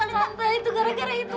lantai itu gara gara itu